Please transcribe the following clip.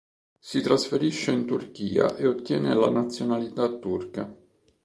Si trasferisce in Turchia e ottiene la nazionalità turca.